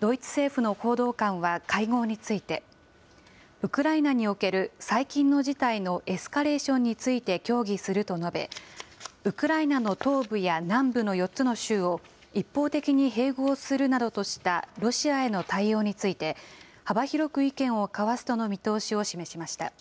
ドイツ政府の報道官は会合について、ウクライナにおける最近の事態のエスカレーションについて協議すると述べ、ウクライナの東部や南部の４つの州を一方的に併合するなどとしたロシアへの対応について、幅広く意見を交わすとの見通しを示しました。